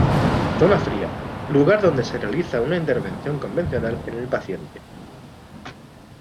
Zona fría: Lugar donde se realiza una intervención convencional en el paciente.